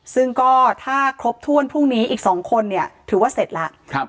ซึ่งก็ถ้าทบทวนพรุ่งนี้อีก๒คนถือว่าเสร็จแล้ว